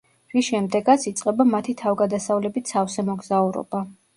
რის შემდეგაც იწყება მათი თავგადასავლებით სავსე მოგზაურობა.